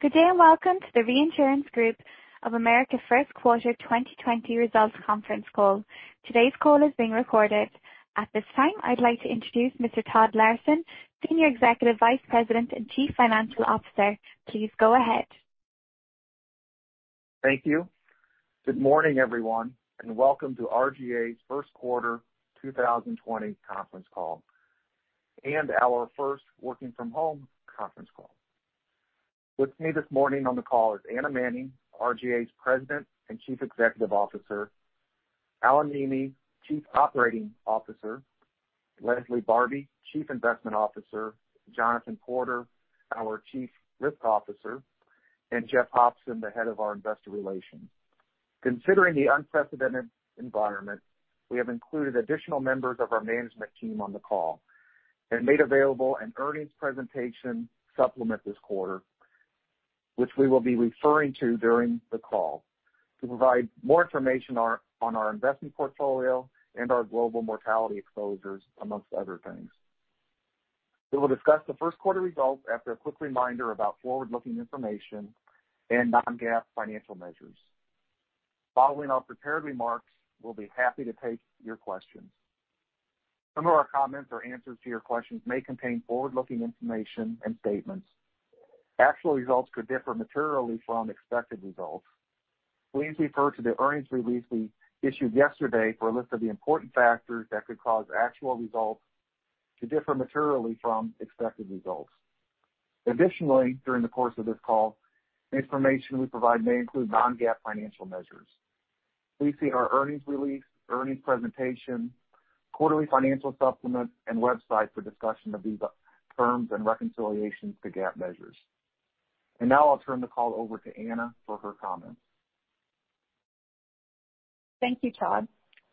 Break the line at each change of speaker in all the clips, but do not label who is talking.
Good day, and welcome to the Reinsurance Group of America First Quarter 2020 Results Conference Call. Today's call is being recorded. At this time, I'd like to introduce Mr. Todd Larson, Senior Executive Vice President and Chief Financial Officer. Please go ahead.
Thank you. Good morning, everyone, and welcome to RGA's first quarter 2020 conference call, and our first working from home conference call. With me this morning on the call is Anna Manning, RGA's President and Chief Executive Officer, Alain Néemeh, Chief Operating Officer, Leslie Barbi, Chief Investment Officer, Jonathan Porter, our Chief Risk Officer, and Jeff Hopson, the Head of our Investor Relations. Considering the unprecedented environment, we have included additional members of our management team on the call and made available an earnings presentation supplement this quarter, which we will be referring to during the call to provide more information on our investment portfolio and our global mortality exposures, amongst other things. We will discuss the first quarter results after a quick reminder about forward-looking information and non-GAAP financial measures. Following our prepared remarks, we'll be happy to take your questions. Some of our comments or answers to your questions may contain forward-looking information and statements. Actual results could differ materially from expected results. Please refer to the earnings release we issued yesterday for a list of the important factors that could cause actual results to differ materially from expected results. Additionally, during the course of this call, the information we provide may include non-GAAP financial measures. Please see our earnings release, earnings presentation, quarterly financial supplement, and website for discussion of these terms and reconciliations to GAAP measures. Now I'll turn the call over to Anna for her comments.
Thank you, Todd.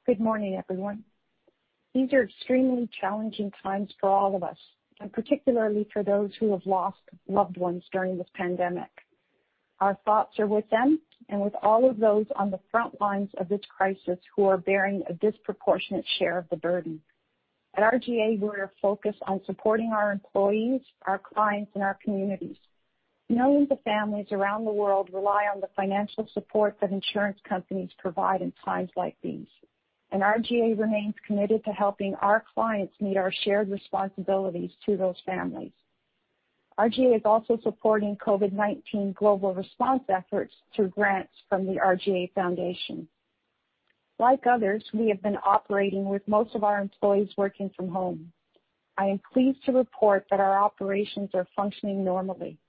Good morning, everyone. These are extremely challenging times for all of us, and particularly for those who have lost loved ones during this pandemic. Our thoughts are with them and with all of those on the front lines of this crisis who are bearing a disproportionate share of the burden. At RGA, we are focused on supporting our employees, our clients, and our communities. Millions of families around the world rely on the financial support that insurance companies provide in times like these, and RGA remains committed to helping our clients meet our shared responsibilities to those families. RGA is also supporting COVID-19 global response efforts through grants from the RGA Foundation. Like others, we have been operating with most of our employees working from home. I am pleased to report that our operations are functioning normally.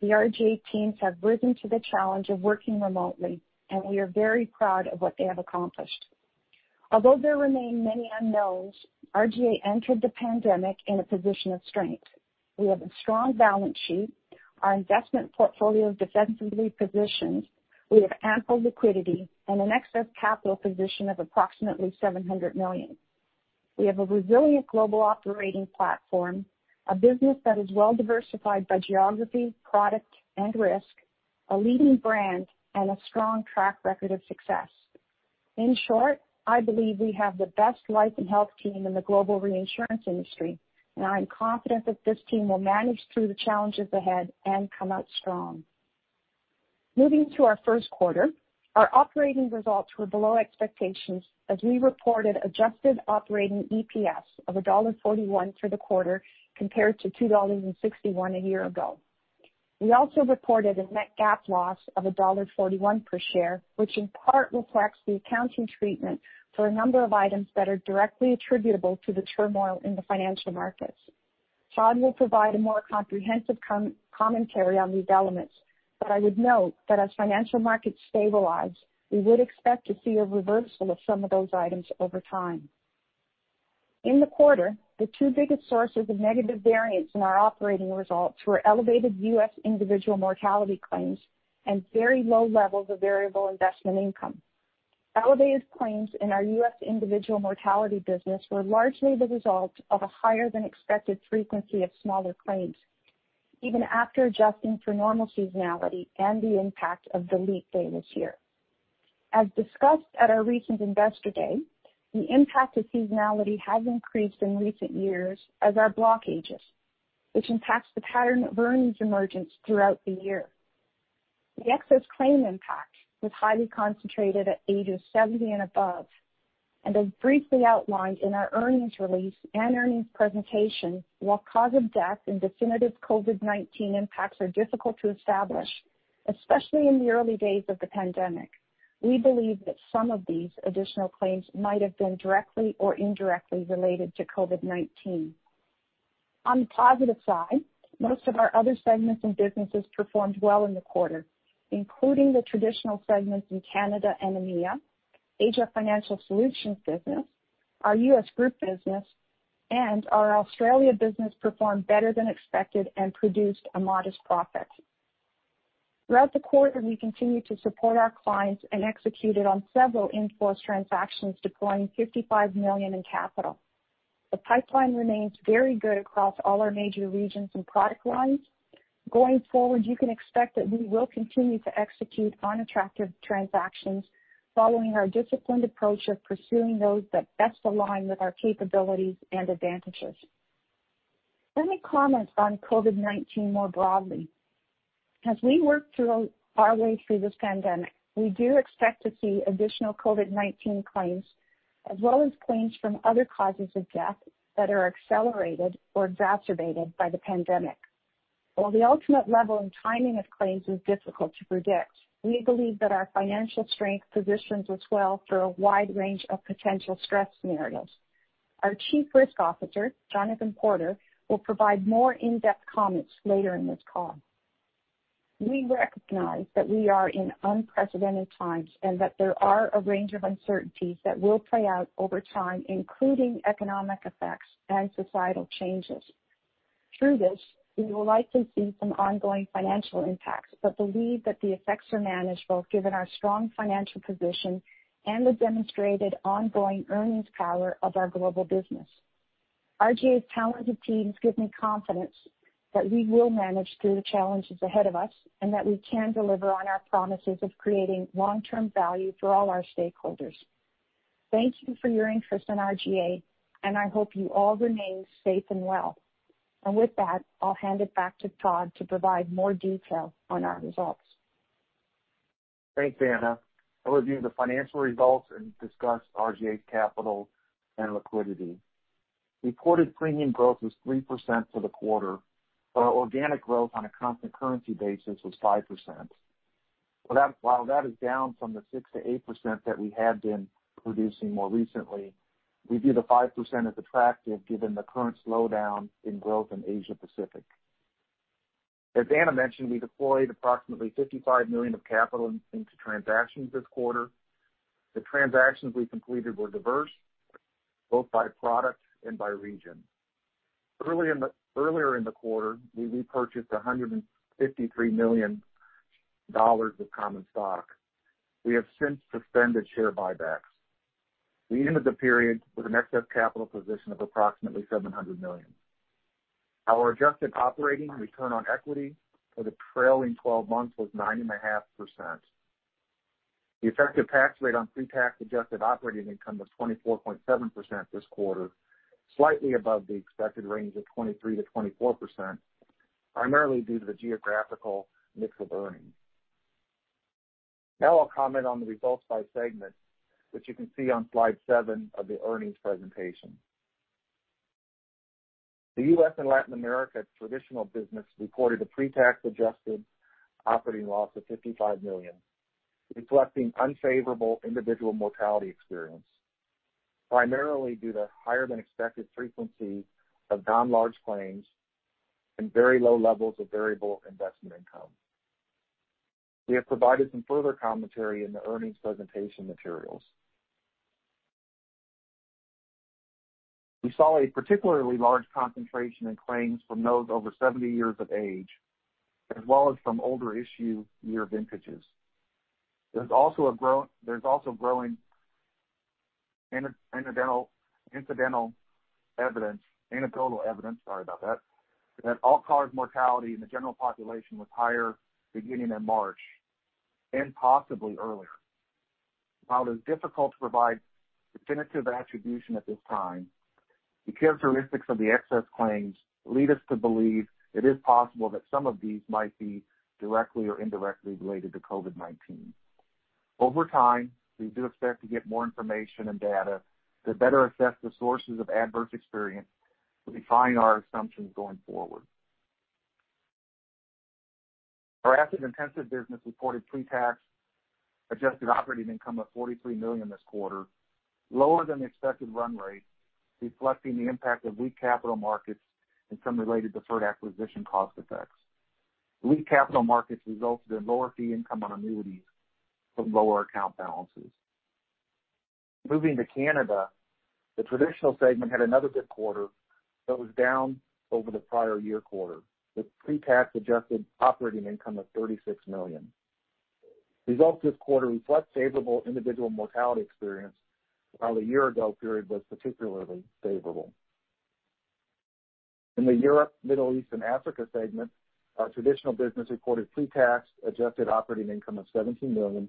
The RGA teams have risen to the challenge of working remotely, and we are very proud of what they have accomplished. Although there remain many unknowns, RGA entered the pandemic in a position of strength. We have a strong balance sheet, our investment portfolio is defensively positioned, we have ample liquidity, and an excess capital position of approximately $700 million. We have a resilient global operating platform, a business that is well diversified by geography, product, and risk, a leading brand, and a strong track record of success. In short, I believe we have the best life and health team in the global reinsurance industry, and I am confident that this team will manage through the challenges ahead and come out strong. Moving to our first quarter, our operating results were below expectations as we reported adjusted operating EPS of $1.41 for the quarter, compared to $2.61 a year ago. We also reported a net GAAP loss of $1.41 per share, which in part reflects the accounting treatment for a number of items that are directly attributable to the turmoil in the financial markets. Todd will provide a more comprehensive commentary on these elements, but I would note that as financial markets stabilize, we would expect to see a reversal of some of those items over time. In the quarter, the two biggest sources of negative variance in our operating results were elevated U.S. individual mortality claims and very low levels of variable investment income. Elevated claims in our U.S. individual mortality business were largely the result of a higher than expected frequency of smaller claims, even after adjusting for normal seasonality and the impact of the leap day this year. As discussed at our recent Investor Day, the impact of seasonality has increased in recent years as our block ages, which impacts the pattern of earnings emergence throughout the year. The excess claim impact was highly concentrated at ages 70 and above, and as briefly outlined in our earnings release and earnings presentation, while cause of death and definitive COVID-19 impacts are difficult to establish, especially in the early days of the pandemic. We believe that some of these additional claims might have been directly or indirectly related to COVID-19. On the positive side, most of our other segments and businesses performed well in the quarter, including the traditional segments in Canada and EMEA, Asia Financial Solutions business, our U.S. group business, and our Australia business performed better than expected and produced a modest profit. Throughout the quarter, we continued to support our clients and executed on several in-force transactions, deploying $55 million in capital. The pipeline remains very good across all our major regions and product lines. Going forward, you can expect that we will continue to execute on attractive transactions following our disciplined approach of pursuing those that best align with our capabilities and advantages. Let me comment on COVID-19 more broadly. As we work our way through this pandemic, we do expect to see additional COVID-19 claims. As well as claims from other causes of death that are accelerated or exacerbated by the pandemic. While the ultimate level and timing of claims is difficult to predict, we believe that our financial strength positions us well for a wide range of potential stress scenarios. Our Chief Risk Officer, Jonathan Porter, will provide more in-depth comments later in this call. We recognize that we are in unprecedented times, and that there are a range of uncertainties that will play out over time, including economic effects and societal changes. Through this, we will likely see some ongoing financial impacts, but believe that the effects are manageable given our strong financial position and the demonstrated ongoing earnings power of our global business. RGA's talented teams give me confidence that we will manage through the challenges ahead of us, and that we can deliver on our promises of creating long-term value for all our stakeholders. Thank you for your interest in RGA, and I hope you all remain safe and well. With that, I'll hand it back to Todd to provide more detail on our results.
Thanks, Anna. I'll review the financial results and discuss RGA's capital and liquidity. Reported premium growth was 3% for the quarter, while organic growth on a constant currency basis was 5%. While that is down from the 6%-8% that we had been producing more recently, we view the 5% as attractive given the current slowdown in growth in Asia Pacific. As Anna mentioned, we deployed approximately $55 million of capital into transactions this quarter. The transactions we completed were diverse, both by product and by region. Earlier in the quarter, we repurchased $153 million of common stock. We have since suspended share buybacks. We ended the period with an excess capital position of approximately $700 million. Our adjusted operating return on equity for the trailing 12 months was 9.5%. The effective tax rate on pre-tax adjusted operating income was 24.7% this quarter, slightly above the expected range of 23%-24%, primarily due to the geographical mix of earnings. I'll comment on the results by segment, which you can see on slide seven of the earnings presentation. The U.S. and Latin America traditional business reported a pre-tax adjusted operating loss of $55 million, reflecting unfavorable individual mortality experience, primarily due to higher than expected frequency of non-large claims and very low levels of variable investment income. We have provided some further commentary in the earnings presentation materials. We saw a particularly large concentration in claims from those over 70 years of age, as well as from older issue year vintages. There's also growing anecdotal evidence that all-cause mortality in the general population was higher beginning in March, and possibly earlier. While it is difficult to provide definitive attribution at this time, the characteristics of the excess claims lead us to believe it is possible that some of these might be directly or indirectly related to COVID-19. Over time, we do expect to get more information and data to better assess the sources of adverse experience to refine our assumptions going forward. Our asset-intensive business reported pre-tax adjusted operating income of $43 million this quarter, lower than the expected run rate, reflecting the impact of weak capital markets and some related deferred acquisition cost effects. Weak capital markets resulted in lower fee income on annuities from lower account balances. Moving to Canada, the traditional segment had another good quarter that was down over the prior year quarter, with pre-tax adjusted operating income of $36 million. Results this quarter reflect favorable individual mortality experience, while the year ago period was particularly favorable. In the Europe, Middle East, and Africa segment, our traditional business reported pre-tax adjusted operating income of $17 million,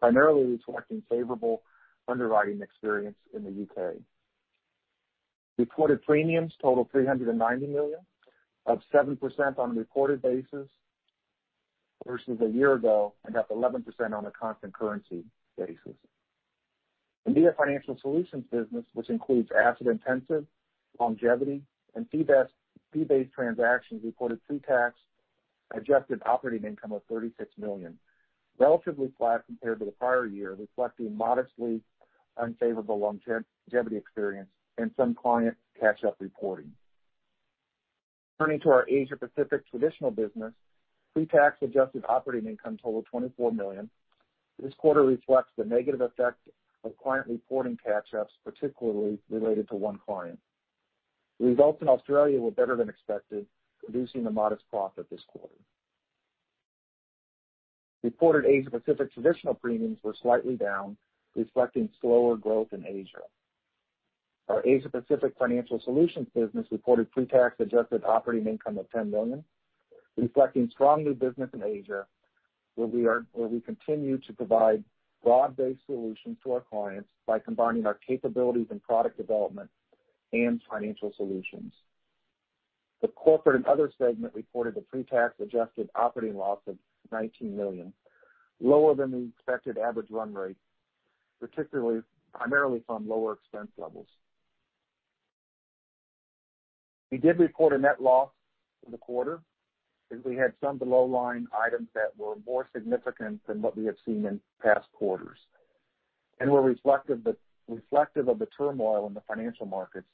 primarily reflecting favorable underwriting experience in the U.K. Reported premiums totaled $390 million, up 7% on a reported basis versus a year ago, up 11% on a constant currency basis. India Financial Solutions business, which includes asset-intensive, longevity, and fee-based transactions, reported pre-tax adjusted operating income of $36 million. Relatively flat compared to the prior year, reflecting modestly unfavorable longevity experience and some client catch-up reporting. Turning to our Asia Pacific traditional business, pre-tax adjusted operating income totaled $24 million. This quarter reflects the negative effect of client reporting catch-ups, particularly related to one client. The results in Australia were better than expected, producing a modest profit this quarter. Reported Asia Pacific traditional premiums were slightly down, reflecting slower growth in Asia. Our Asia Pacific Financial Solutions business reported pretax adjusted operating income of $10 million, reflecting strong new business in Asia, where we continue to provide broad-based solutions to our clients by combining our capabilities in product development and financial solutions. The Corporate and Other segment reported a pretax adjusted operating loss of $19 million, lower than the expected average run rate, particularly primarily from lower expense levels. We did report a net loss for the quarter as we had some below-line items that were more significant than what we have seen in past quarters and were reflective of the turmoil in the financial markets,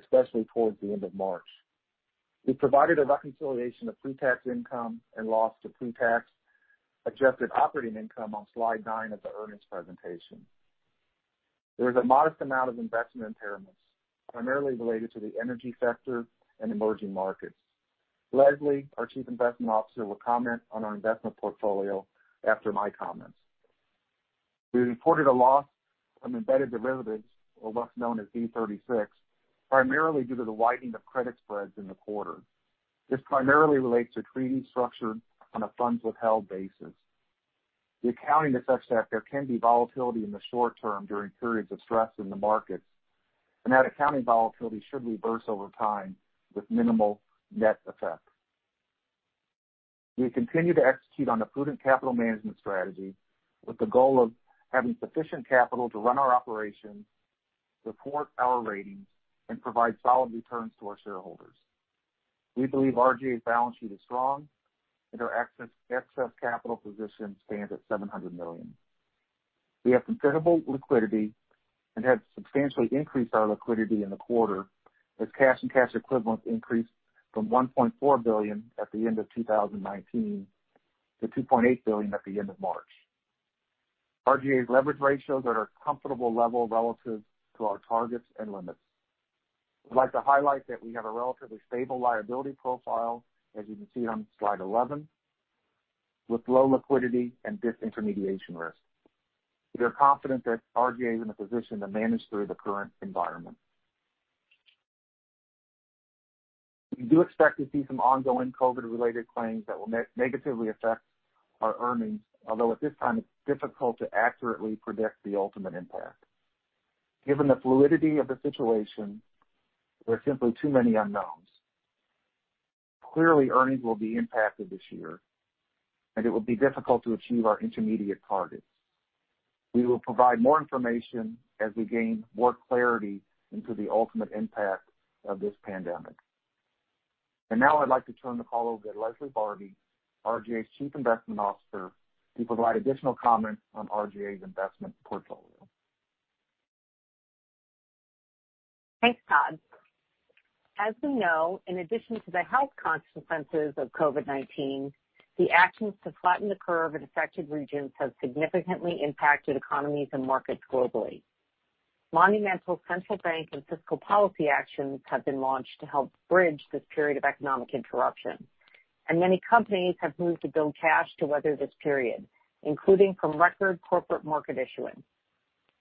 especially towards the end of March. We provided a reconciliation of pretax income and loss to pretax adjusted operating income on slide nine of the earnings presentation. There was a modest amount of investment impairments, primarily related to the energy sector and emerging markets. Leslie, our Chief Investment Officer, will comment on our investment portfolio after my comments. We reported a loss from embedded derivatives, or what's known as DIG B36, primarily due to the widening of credit spreads in the quarter. This primarily relates to treaties structured on a funds withheld basis. The accounting affects that there can be volatility in the short term during periods of stress in the markets, and that accounting volatility should reverse over time with minimal net effect. We continue to execute on a prudent capital management strategy with the goal of having sufficient capital to run our operations, support our ratings, and provide solid returns to our shareholders. We believe RGA's balance sheet is strong, and our excess capital position stands at $700 million. We have considerable liquidity and have substantially increased our liquidity in the quarter as cash and cash equivalents increased from $1.4 billion at the end of 2019 to $2.8 billion at the end of March. RGA's leverage ratios are at a comfortable level relative to our targets and limits. We'd like to highlight that we have a relatively stable liability profile, as you can see on slide 11, with low liquidity and disintermediation risk. We are confident that RGA is in a position to manage through the current environment. We do expect to see some ongoing COVID-19-related claims that will negatively affect our earnings, although at this time it's difficult to accurately predict the ultimate impact. Given the fluidity of the situation, there are simply too many unknowns. Clearly, earnings will be impacted this year, and it will be difficult to achieve our intermediate targets. We will provide more information as we gain more clarity into the ultimate impact of this pandemic. Now I'd like to turn the call over to Leslie Barbi, RGA's Chief Investment Officer, to provide additional comment on RGA's investment portfolio.
Thanks, Todd. As we know, in addition to the health consequences of COVID-19, the actions to flatten the curve in affected regions have significantly impacted economies and markets globally. Monumental central bank and fiscal policy actions have been launched to help bridge this period of economic interruption. Many companies have moved to build cash to weather this period, including from record corporate market issuance.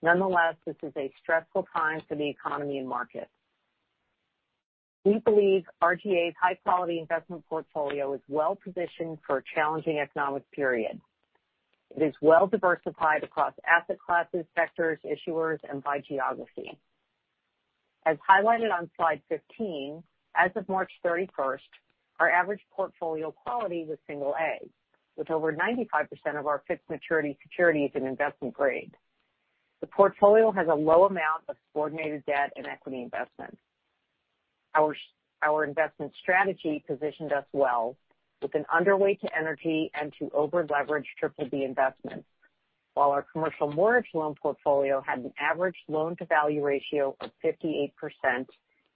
Nonetheless, this is a stressful time for the economy and markets. We believe RGA's high-quality investment portfolio is well-positioned for a challenging economic period. It is well-diversified across asset classes, sectors, issuers, and by geography. As highlighted on slide 15, as of March 31st, our average portfolio quality was single A, with over 95% of our fixed maturity securities in investment grade. The portfolio has a low amount of subordinated debt and equity investments. Our investment strategy positioned us well with an underweight to energy and to over-leveraged triple B investments. While our commercial mortgage loan portfolio had an average loan-to-value ratio of 58%,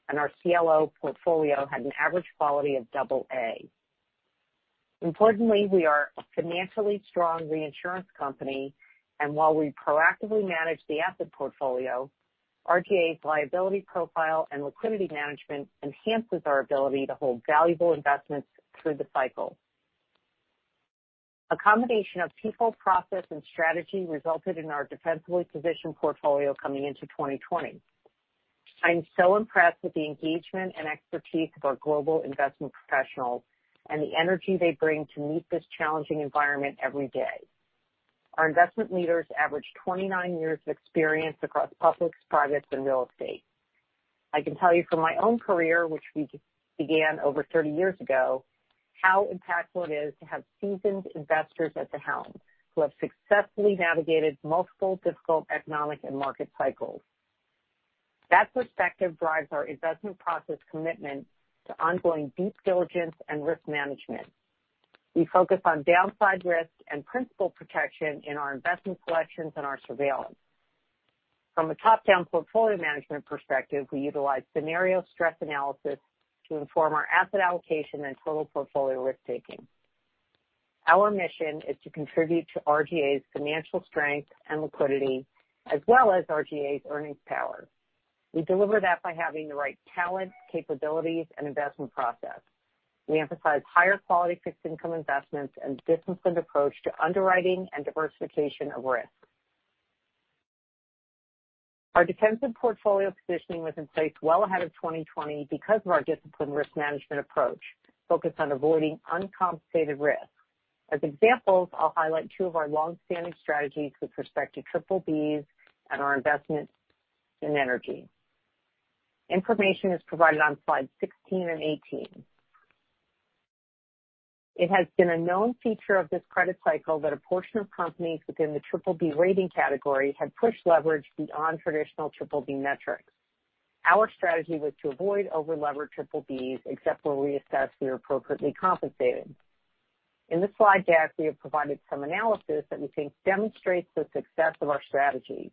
and our CLO portfolio had an average quality of double A. Importantly, we are a financially strong reinsurance company, and while we proactively manage the asset portfolio, RGA's liability profile and liquidity management enhances our ability to hold valuable investments through the cycle. A combination of people, process, and strategy resulted in our defensively positioned portfolio coming into 2020. I'm so impressed with the engagement and expertise of our global investment professionals and the energy they bring to meet this challenging environment every day. Our investment leaders average 29 years of experience across public, private, and real estate. I can tell you from my own career, which began over 30 years ago, how impactful it is to have seasoned investors at the helm who have successfully navigated multiple difficult economic and market cycles. That perspective drives our investment process commitment to ongoing deep diligence and risk management. We focus on downside risks and principal protection in our investment selections and our surveillance. From a top-down portfolio management perspective, we utilize scenario stress analysis to inform our asset allocation and total portfolio risk-taking. Our mission is to contribute to RGA's financial strength and liquidity, as well as RGA's earnings power. We deliver that by having the right talent, capabilities, and investment process. We emphasize higher quality fixed income investments and disciplined approach to underwriting and diversification of risk. Our defensive portfolio positioning was in place well ahead of 2020 because of our disciplined risk management approach focused on avoiding uncompensated risk. As examples, I'll highlight two of our longstanding strategies with respect to triple Bs and our investments in energy. Information is provided on slide 16 and 18. It has been a known feature of this credit cycle that a portion of companies within the triple B rating category had pushed leverage beyond traditional triple B metrics. Our strategy was to avoid over-leveraged triple Bs except where we assessed we were appropriately compensated. In this slide deck, we have provided some analysis that we think demonstrates the success of our strategy.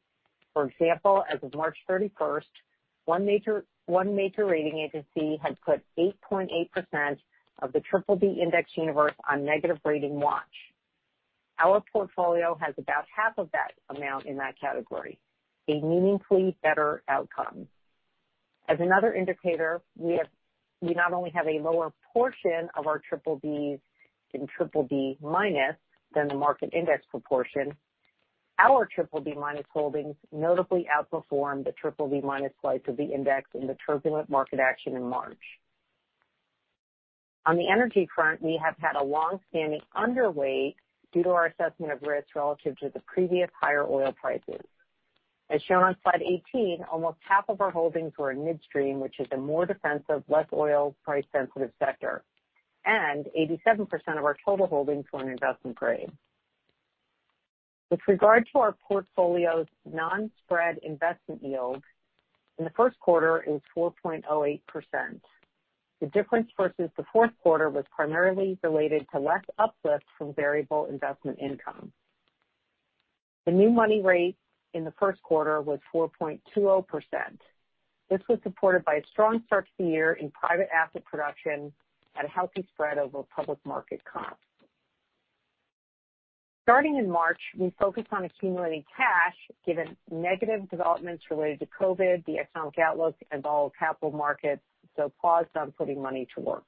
For example, as of March 31st, one major rating agency had put 8.8% of the triple B index universe on negative rating watch. Our portfolio has about half of that amount in that category, a meaningfully better outcome. As another indicator, we not only have a lower portion of our triple Bs in triple B minus than the market index proportion. Our triple B minus holdings notably outperformed the triple B minus slice of the index in the turbulent market action in March. On the energy front, we have had a longstanding underweight due to our assessment of risk relative to the previous higher oil prices. As shown on slide 18, almost half of our holdings were in midstream, which is a more defensive, less oil price sensitive sector, and 87% of our total holdings were in investment grade. With regard to our portfolio's non-spread investment yield, in the first quarter, it was 4.08%. The difference versus the fourth quarter was primarily related to less uplift from variable investment income. The new money rate in the first quarter was 4.20%. This was supported by a strong start to the year in private asset production at a healthy spread over public market comp. Starting in March, we focused on accumulating cash, given negative developments related to COVID, the economic outlook, and volatile capital markets, so paused on putting money to work.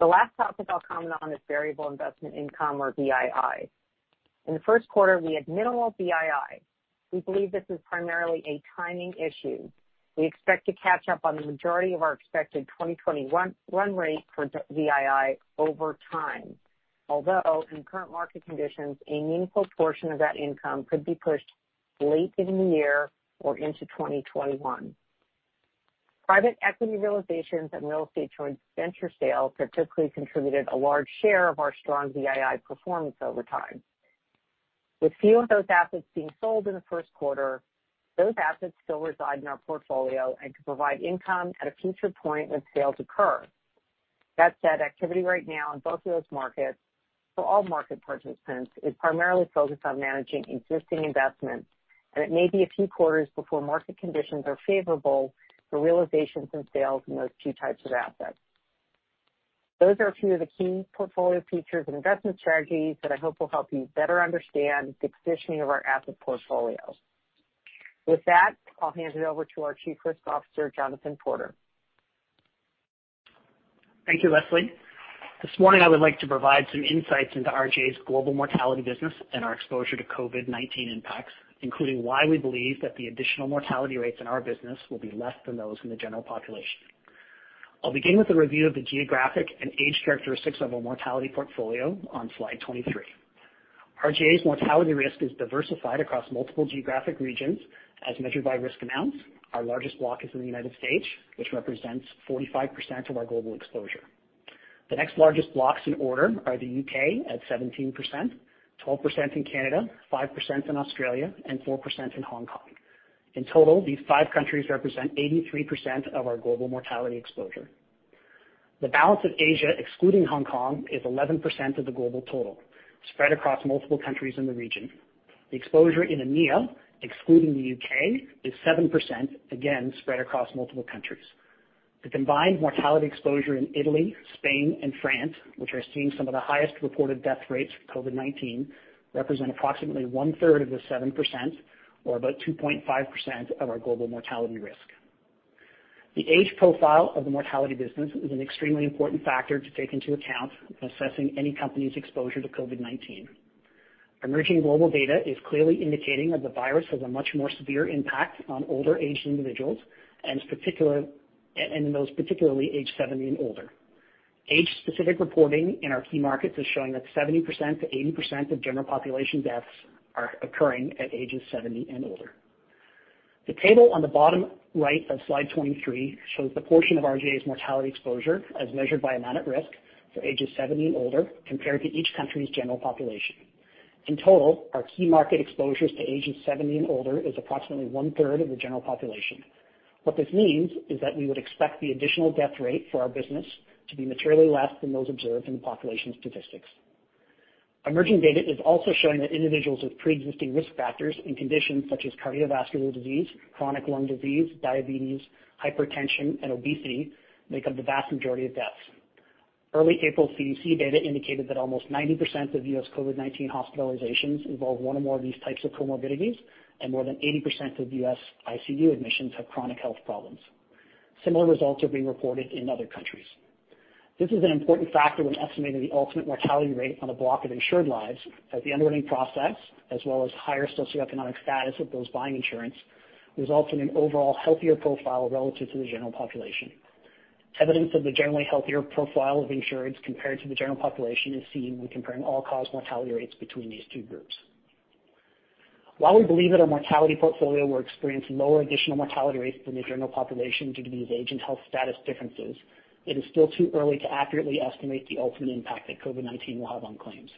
The last topic I'll comment on is variable investment income or VII. In the first quarter, we had minimal VII. We believe this is primarily a timing issue. We expect to catch up on the majority of our expected 2021 run rate for VII over time. Although in current market conditions, a meaningful portion of that income could be pushed late into the year or into 2021. Private equity realizations and real estate joint venture sales have typically contributed a large share of our strong VII performance over time. With few of those assets being sold in the first quarter, those assets still reside in our portfolio and could provide income at a future point when sales occur. Activity right now in both of those markets for all market participants is primarily focused on managing existing investments, and it may be a few quarters before market conditions are favorable for realizations and sales in those two types of assets. Those are a few of the key portfolio features and investment strategies that I hope will help you better understand the positioning of our asset portfolio. With that, I'll hand it over to our Chief Risk Officer, Jonathan Porter.
Thank you, Leslie. This morning, I would like to provide some insights into RGA's global mortality business and our exposure to COVID-19 impacts, including why we believe that the additional mortality rates in our business will be less than those in the general population. I'll begin with a review of the geographic and age characteristics of our mortality portfolio on slide 23. RGA's mortality risk is diversified across multiple geographic regions as measured by risk amounts. Our largest block is in the United States, which represents 45% of our global exposure. The next largest blocks in order are the U.K. at 17%, 12% in Canada, 5% in Australia, and 4% in Hong Kong. In total, these five countries represent 83% of our global mortality exposure. The balance of Asia, excluding Hong Kong, is 11% of the global total, spread across multiple countries in the region. The exposure in EMEA, excluding the U.K., is 7%, again, spread across multiple countries. The combined mortality exposure in Italy, Spain, and France, which are seeing some of the highest reported death rates for COVID-19, represent approximately one-third of the 7%, or about 2.5% of our global mortality risk. The age profile of the mortality business is an extremely important factor to take into account when assessing any company's exposure to COVID-19. Emerging global data is clearly indicating that the virus has a much more severe impact on older aged individuals, and in those particularly age 70 and older. Age specific reporting in our key markets is showing that 70%-80% of general population deaths are occurring at ages 70 and older. The table on the bottom right of slide 23 shows the portion of RGA's mortality exposure as measured by amount at risk for ages 70 and older, compared to each country's general population. In total, our key market exposures to ages 70 and older is approximately one-third of the general population. What this means is that we would expect the additional death rate for our business to be materially less than those observed in the population statistics. Emerging data is also showing that individuals with preexisting risk factors in conditions such as cardiovascular disease, chronic lung disease, diabetes, hypertension, and obesity make up the vast majority of deaths. Early April CDC data indicated that almost 90% of U.S. COVID-19 hospitalizations involve one or more of these types of comorbidities, and more than 80% of U.S. ICU admissions have chronic health problems. Similar results are being reported in other countries. This is an important factor when estimating the ultimate mortality rate on a block of insured lives as the underwriting process, as well as higher socioeconomic status of those buying insurance, results in an overall healthier profile relative to the general population. Evidence of the generally healthier profile of insureds compared to the general population is seen when comparing all-cause mortality rates between these two groups. While we believe that our mortality portfolio will experience lower additional mortality rates than the general population due to these agent health status differences, it is still too early to accurately estimate the ultimate impact that COVID-19 will have on claims.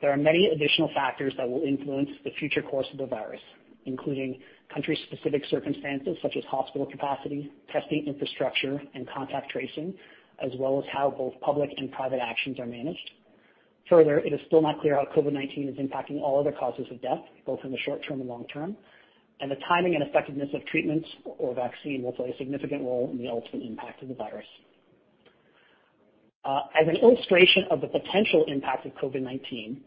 There are many additional factors that will influence the future course of the virus, including country-specific circumstances such as hospital capacity, testing infrastructure, and contact tracing, as well as how both public and private actions are managed. Further, it is still not clear how COVID-19 is impacting all other causes of death, both in the short term and long term, and the timing and effectiveness of treatments or vaccine will play a significant role in the ultimate impact of the virus. As an illustration of the potential impact of COVID-19,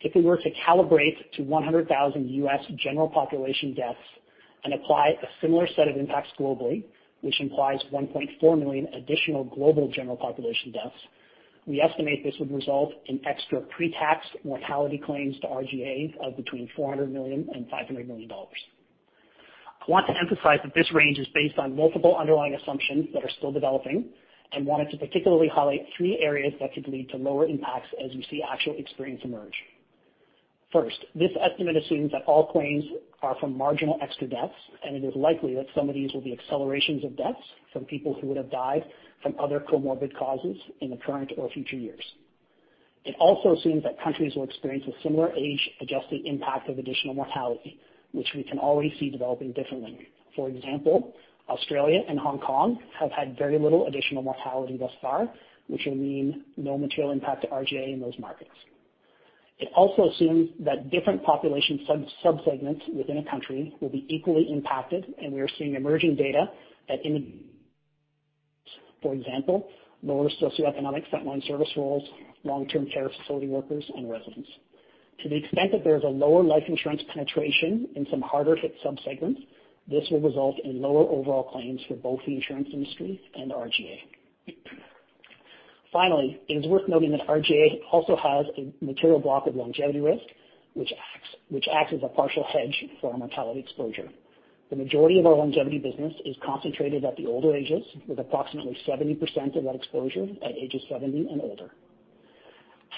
if we were to calibrate to 100,000 U.S. general population deaths and apply a similar set of impacts globally, which implies 1.4 million additional global general population deaths, we estimate this would result in extra pre-tax mortality claims to RGA of between $400 million and $500 million. I want to emphasize that this range is based on multiple underlying assumptions that are still developing and wanted to particularly highlight three areas that could lead to lower impacts as we see actual experience emerge. First, this estimate assumes that all claims are from marginal extra deaths, and it is likely that some of these will be accelerations of deaths from people who would have died from other comorbid causes in the current or future years. It also assumes that countries will experience a similar age-adjusted impact of additional mortality, which we can already see developing differently. For example, Australia and Hong Kong have had very little additional mortality thus far, which will mean no material impact to RGA in those markets. It also assumes that different population sub-segments within a country will be equally impacted, and we are seeing emerging data that indicates, for example, lower socioeconomic frontline service roles, long-term care facility workers, and residents. To the extent that there is a lower life insurance penetration in some harder hit sub-segments, this will result in lower overall claims for both the insurance industry and RGA. Finally, it is worth noting that RGA also has a material block of longevity risk, which acts as a partial hedge for our mortality exposure. The majority of our longevity business is concentrated at the older ages, with approximately 70% of that exposure at ages 70 and older.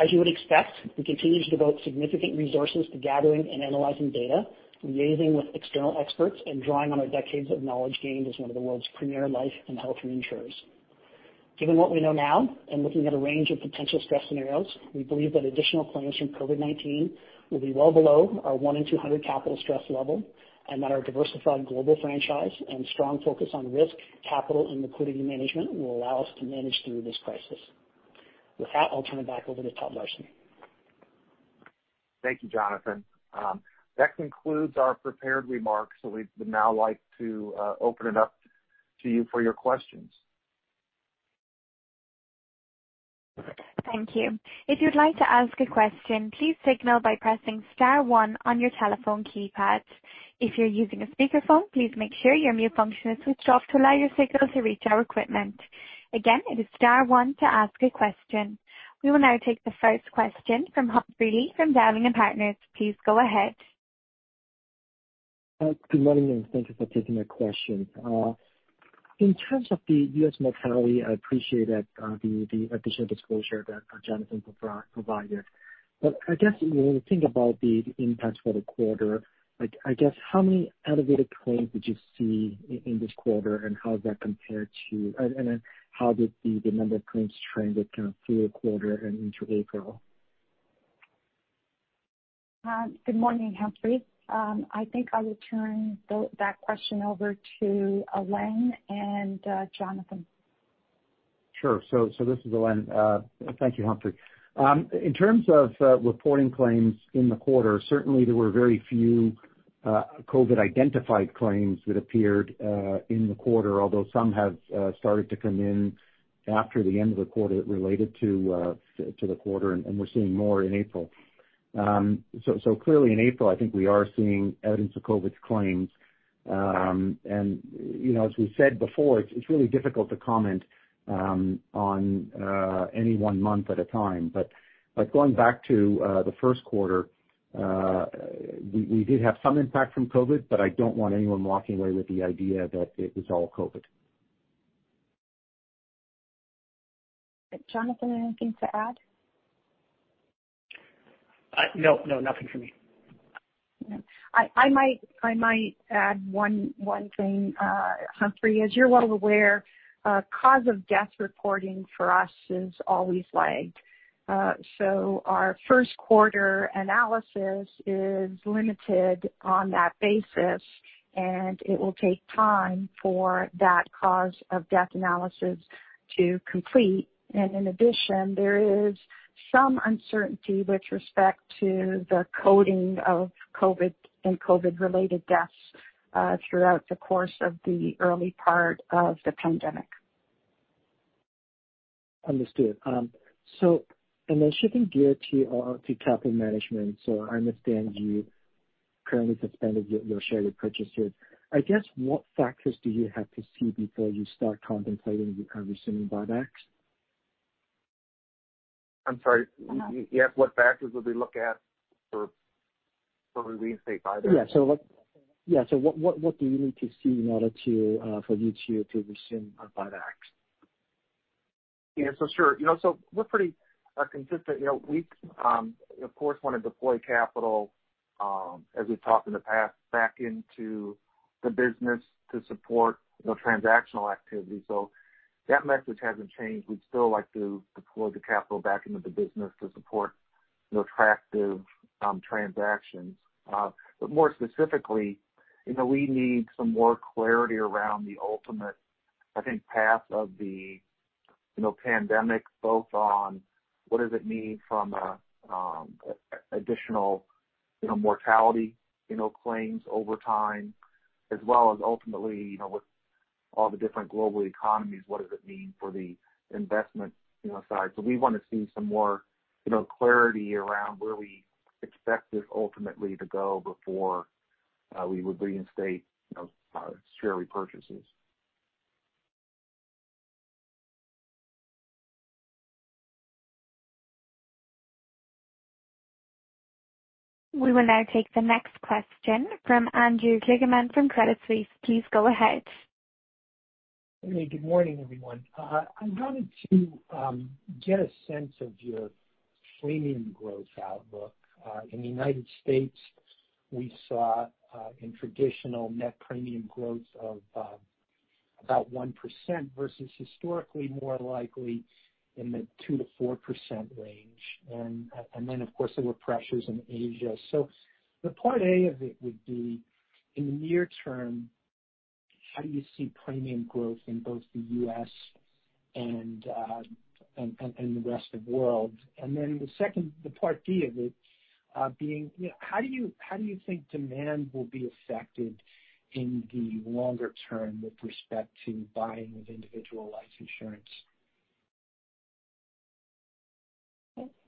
As you would expect, we continue to devote significant resources to gathering and analyzing data, liaising with external experts, and drawing on our decades of knowledge gained as one of the world's premier life and health reinsurers. Given what we know now and looking at a range of potential stress scenarios, we believe that additional claims from COVID-19 will be well below our one in 200 capital stress level, and that our diversified global franchise and strong focus on risk, capital, and liquidity management will allow us to manage through this crisis. With that, I'll turn it back over to Todd Larson.
Thank you, Jonathan. That concludes our prepared remarks, so we would now like to open it up to you for your questions.
Thank you. If you'd like to ask a question, please signal by pressing star one on your telephone keypad. If you're using a speakerphone, please make sure your mute function is switched off to allow your signal to reach our equipment. Again, it is star one to ask a question. We will now take the first question from Humphrey from Dowling & Partners. Please go ahead.
Good morning. Thank you for taking my question. In terms of the U.S. mortality, I appreciate the additional disclosure that Jonathan provided. I guess when we think about the impacts for the quarter, how many elevated claims did you see in this quarter, and how did the number of claims trend through the quarter and into April?
Good morning, Humphrey. I think I will turn that question over to Alain and Jonathan.
Sure. This is Alain. Thank you, Humphrey. In terms of reporting claims in the quarter, certainly there were very few COVID-identified claims that appeared in the quarter, although some have started to come in after the end of the quarter related to the quarter, and we're seeing more in April. Clearly in April, I think we are seeing evidence of COVID claims. As we said before, it's really difficult to comment on any one month at a time. Going back to the first quarter, we did have some impact from COVID, but I don't want anyone walking away with the idea that it was all COVID.
Jonathan, anything to add?
No. Nothing from me.
I might add one thing, Humphrey. As you're well aware, cause of death reporting for us is always lagged. Our first quarter analysis is limited on that basis, and it will take time for that cause of death analysis to complete. In addition, there is some uncertainty with respect to the coding of COVID and COVID-related deaths throughout the course of the early part of the pandemic.
Understood. Shifting gear to capital management. I understand you currently suspended your share repurchase here. I guess, what factors do you have to see before you start contemplating resuming buybacks?
I'm sorry. You asked what factors would we look at before we reinstate buybacks?
Yeah. What do you need to see in order for you to resume buybacks?
Yeah, sure. We're pretty consistent. We, of course, want to deploy capital, as we've talked in the past, back into the business to support transactional activity. That message hasn't changed. We'd still like to deploy the capital back into the business to support attractive transactions. More specifically, we need some more clarity around the ultimate, I think, path of the pandemic, both on what does it mean from additional mortality claims over time as well as ultimately, with all the different global economies, what does it mean for the investment side? We want to see some more clarity around where we expect this ultimately to go before we would reinstate our share repurchases.
We will now take the next question from Andrew Kligerman from Credit Suisse. Please go ahead.
Hey, good morning, everyone. I wanted to get a sense of your premium growth outlook. In the United States, we saw a traditional net premium growth of about 1% versus historically more likely in the 2%-4% range. Of course, there were pressures in Asia. The part A of it would be in the near term, how do you see premium growth in both the U.S. and the rest of world? The part B of it being how do you think demand will be affected in the longer term with respect to buying of individual life insurance?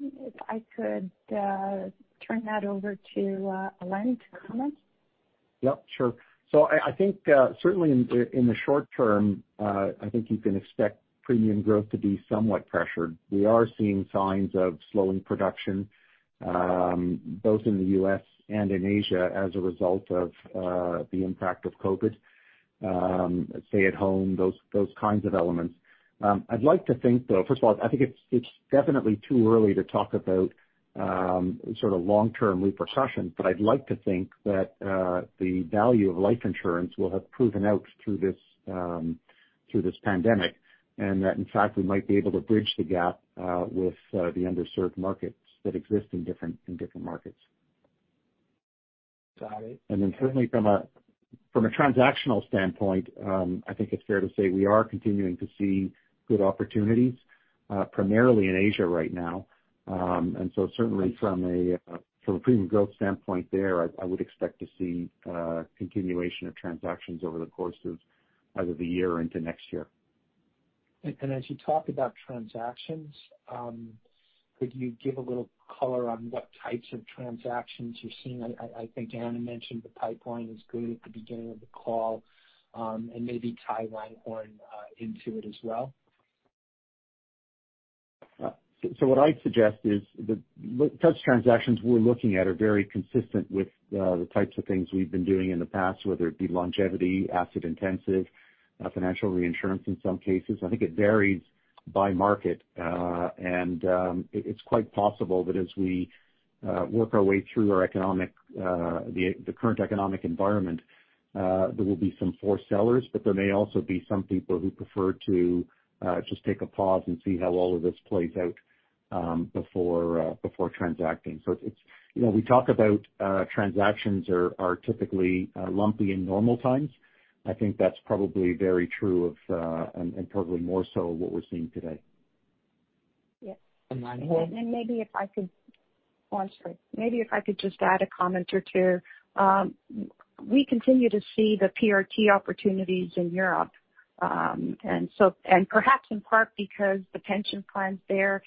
If I could turn that over to Alain to comment.
Yep, sure. I think certainly in the short term, I think you can expect premium growth to be somewhat pressured. We are seeing signs of slowing production both in the U.S. and in Asia as a result of the impact of COVID, stay at home, those kinds of elements. I'd like to think, though, first of all, I think it's definitely too early to talk about long-term repercussions. I'd like to think that the value of life insurance will have proven out through this pandemic, and that in fact, we might be able to bridge the gap with the underserved markets that exist in different markets.
Got it.
Certainly from a transactional standpoint, I think it's fair to say we are continuing to see good opportunities, primarily in Asia right now. Certainly from a premium growth standpoint there, I would expect to see a continuation of transactions over the course of either the year or into next year.
As you talk about transactions, could you give a little color on what types of transactions you're seeing? I think Anna mentioned the pipeline is good at the beginning of the call. Maybe tie Langhorne Re into it as well.
What I'd suggest is such transactions we're looking at are very consistent with the types of things we've been doing in the past, whether it be longevity, asset intensive, financial reinsurance in some cases. I think it varies by market. It's quite possible that as we work our way through the current economic environment there will be some for sellers, but there may also be some people who prefer to just take a pause and see how all of this plays out before transacting. We talk about transactions are typically lumpy in normal times. I think that's probably very true of, and probably more so what we're seeing today.
Yes. Maybe if I could just add a comment or two. We continue to see the PRT opportunities in Europe. Perhaps in part because the pension plans there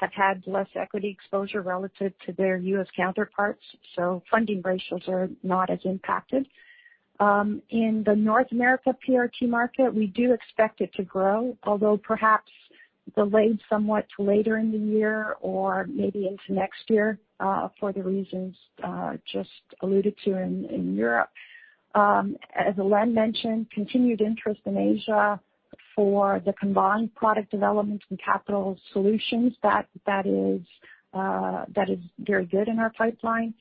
have had less equity exposure relative to their U.S. counterparts, funding ratios are not as impacted. In the North America PRT market, we do expect it to grow, although perhaps delayed somewhat to later in the year or maybe into next year, for the reasons just alluded to in Europe. As Len mentioned, continued interest in Asia for the combined product development and capital solutions. That is very good in our pipeline.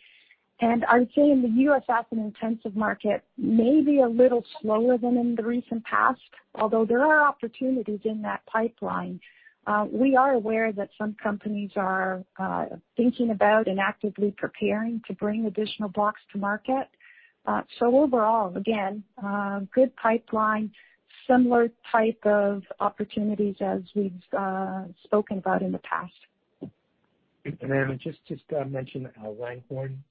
I would say in the U.S. asset intensive market, may be a little slower than in the recent past, although there are opportunities in that pipeline. We are aware that some companies are thinking about and actively preparing to bring additional blocks to market. Overall, again, good pipeline, similar type of opportunities as we've spoken about in the past.
Anna, just to mention Langhorne,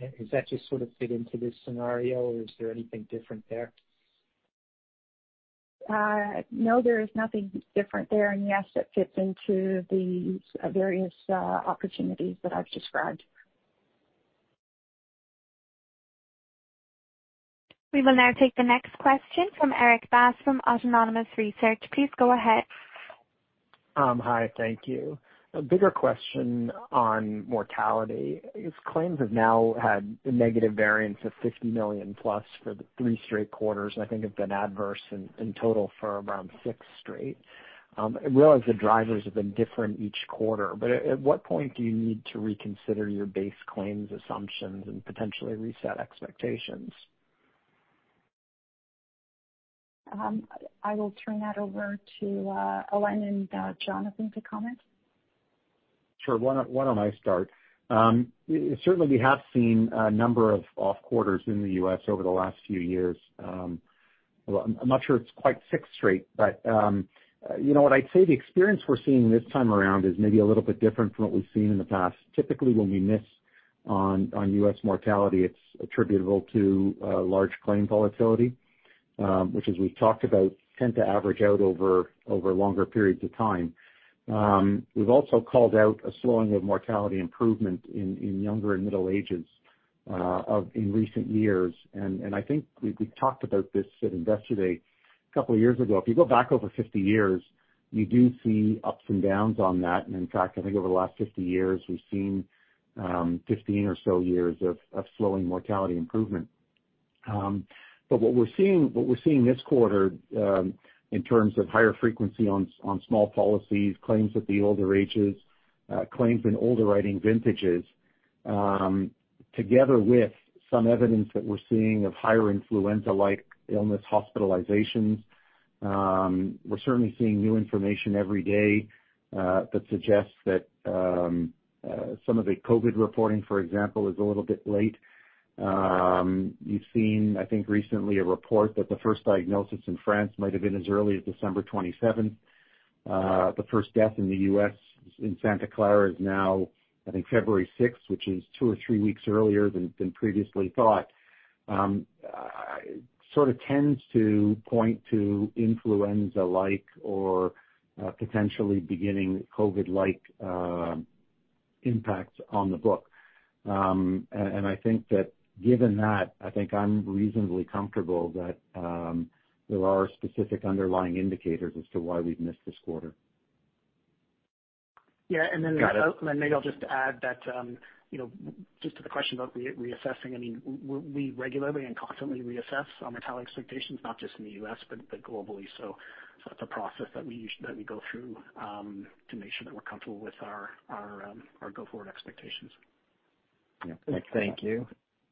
does that just sort of fit into this scenario, or is there anything different there?
No, there is nothing different there, and yes, it fits into these various opportunities that I've described.
We will now take the next question from Erik Bass from Autonomous Research. Please go ahead.
Hi. Thank you. A bigger question on mortality. As claims have now had a negative variance of $50 million plus for the three straight quarters, I think have been adverse in total for around six straight. At what point do you need to reconsider your base claims assumptions and potentially reset expectations?
I will turn that over to Alain and Jonathan to comment.
Sure. Why don't I start? Certainly, we have seen a number of off quarters in the U.S. over the last few years. Well, I'm not sure it's quite six straight, but what I'd say the experience we're seeing this time around is maybe a little bit different from what we've seen in the past. Typically, when we miss on U.S. mortality, it's attributable to large claim volatility, which as we've talked about, tend to average out over longer periods of time. We've also called out a slowing of mortality improvement in younger and middle ages in recent years. I think we've talked about this at Investor Day a couple of years ago. If you go back over 50 years, you do see ups and downs on that. In fact, I think over the last 50 years, we've seen 15 or so years of slowing mortality improvement. What we're seeing this quarter, in terms of higher frequency on small policies, claims at the older ages, claims in older writing vintages, together with some evidence that we're seeing of higher influenza-like illness hospitalizations. We're certainly seeing new information every day that suggests that some of the COVID reporting, for example, is a little bit late. You've seen, I think, recently a report that the first diagnosis in France might have been as early as December 27th. The first death in the U.S., in Santa Clara, is now, I think, February 6th, which is two or three weeks earlier than previously thought. It sort of tends to point to influenza-like or potentially beginning COVID-like impacts on the book. I think that given that, I think I'm reasonably comfortable that there are specific underlying indicators as to why we've missed this quarter.
Maybe I'll just add that, just to the question about reassessing, we regularly and constantly reassess our mortality expectations, not just in the U.S., but globally. That's a process that we go through to make sure that we're comfortable with our go-forward expectations.
Yeah. Thank you.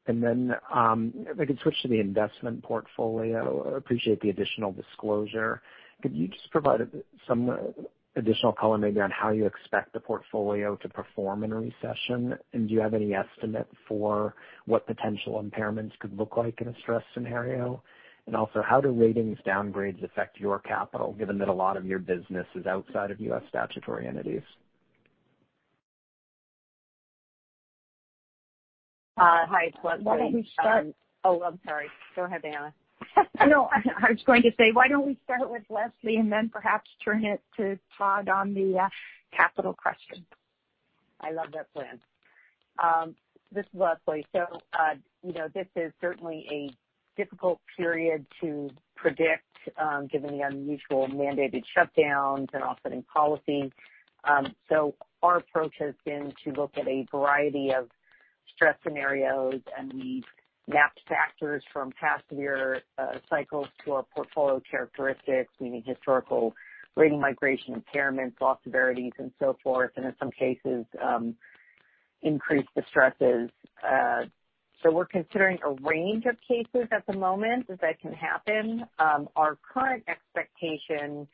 If I could switch to the investment portfolio. I appreciate the additional disclosure. Could you just provide some additional color maybe on how you expect the portfolio to perform in a recession, and do you have any estimate for what potential impairments could look like in a stress scenario? Also, how do ratings downgrades affect your capital, given that a lot of your business is outside of U.S. statutory entities?
Hi, it's Leslie.
Why don't we start?
Oh, I'm sorry. Go ahead, Anna.
No, I was going to say, why don't we start with Leslie and then perhaps turn it to Todd on the capital question.
I love that plan. This is Leslie. This is certainly a difficult period to predict given the unusual mandated shutdowns and offsetting policies. Our approach has been to look at a variety of stress scenarios, and we've mapped factors from past severe cycles to our portfolio characteristics, meaning historical rating migration, impairments, loss severities, and so forth, and in some cases increased the stresses. We're considering a range of cases at the moment that can happen. Our current expectation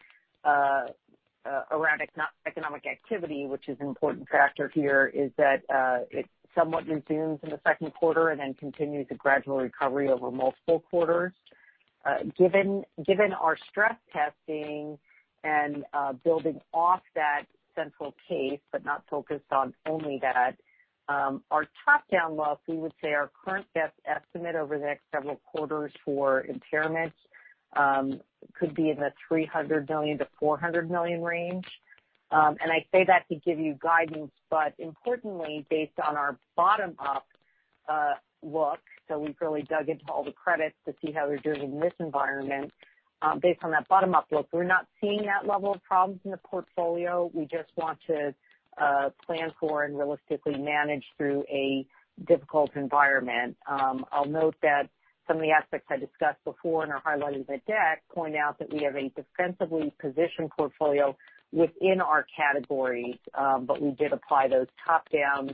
around economic activity, which is an important factor here, is that it somewhat resumes in the second quarter and then continues a gradual recovery over multiple quarters. Given our stress testing and building off that central case, but not focused on only that, our top-down look, we would say our current best estimate over the next several quarters for impairments could be in the $300 million-$400 million range. I say that to give you guidance, but importantly, based on our bottom-up look, so we've really dug into all the credits to see how they're doing in this environment. Based on that bottom-up look, we're not seeing that level of problems in the portfolio. We just want to plan for and realistically manage through a difficult environment. I'll note that some of the aspects I discussed before in our highlighting the deck point out that we have a defensively positioned portfolio within our categories. We did apply those top-down,